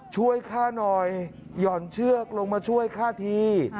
ช่วยฆ่าหน่อยหย่อนเชือกลงมาช่วยฆ่าที